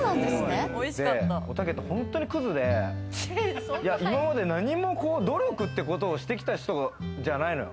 おたけって本当にくずで、今まで何も努力ってことをしてきた人じゃないのよ。